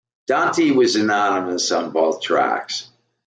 Dante was anonymous on both tracks.